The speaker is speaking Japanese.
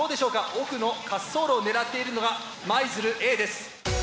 奥の滑走路を狙っているのが舞鶴Ａです。